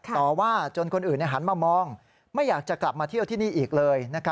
ต่อว่าจนคนอื่นหันมามองไม่อยากจะกลับมาเที่ยวที่นี่อีกเลย